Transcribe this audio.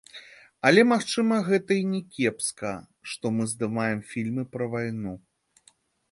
Але, магчыма, гэта і не кепска, што мы здымаем фільмы пра вайну?